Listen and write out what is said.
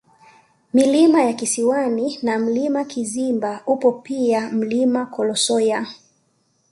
Milima ya Kisiwani na Mlima Kizimba upo pia Mlima Kolosoya